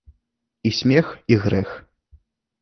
І смех, і грэх.